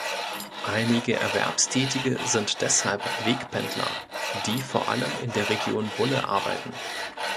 Einige Erwerbstätige sind deshalb Wegpendler, die vor allem in der Region Bulle arbeiten.